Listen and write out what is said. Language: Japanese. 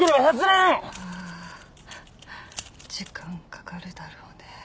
あー時間かかるだろうね。